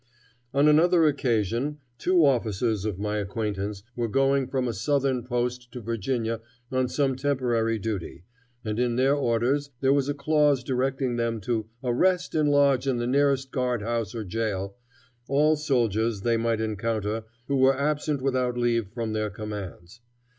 On another occasion two officers of my acquaintance were going from a southern post to Virginia on some temporary duty, and in their orders there was a clause directing them to "arrest and lodge in the nearest guard house or jail" all soldiers they might encounter who were absent without leave from their commands.